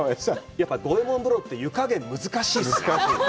やっぱり五右衛門風呂って湯かげん、難しいですね。